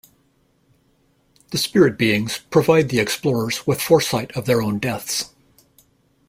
The spirit beings provide the explorers with foresight of their own deaths.